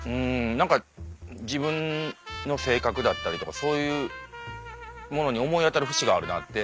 何か自分の性格だったりとかそういうものに思い当たる節があるなって。